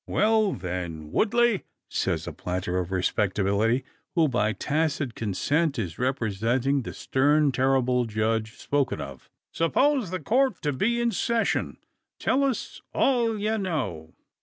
"Well then, Woodley!" says a planter of respectability, who by tacit consent is representing the stern terrible judge spoken of. "Suppose the Court to be in session. Tell us all you know."